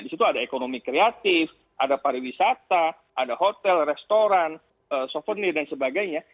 di situ ada ekonomi kreatif ada pariwisata ada hotel restoran souvenir dan sebagainya